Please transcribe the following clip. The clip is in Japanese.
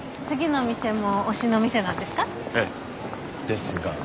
次の店も推しの店なんですか？